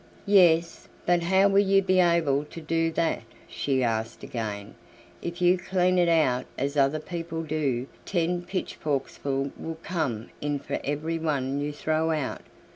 "Yes, but how will you be able to do that?" she asked again. "If you clean it out as other people do, ten pitchforksful will come in for every one you throw out.